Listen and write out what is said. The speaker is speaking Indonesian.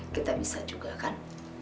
kita bisa juga kan